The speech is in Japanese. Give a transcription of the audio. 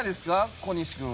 小西君は？